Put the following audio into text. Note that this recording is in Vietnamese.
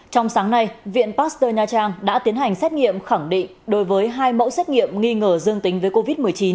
trong sáng nay viện pasteur nha trang đã tiến hành xét nghiệm khẳng định đối với hai mẫu xét nghiệm nghi ngờ dương tính với covid một mươi chín